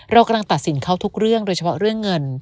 เรากำลังตัดสินเขาทุกเรื่องโดยเฉพาะเรื่องเงิน